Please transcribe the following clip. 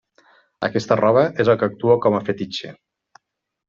Aquesta roba és el que actua com a fetitxe.